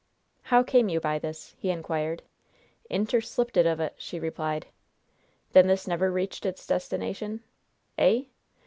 "How came you by this?" he inquired. "Interslipted of it!" she replied. "Then this never reached its destination?" "Eh?"